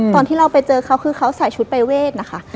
ตอนที่เราไปเจอเขาคือเขาใส่ชุดปรายเวทนะคะ